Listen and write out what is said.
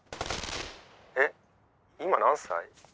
「えっ今何歳？」。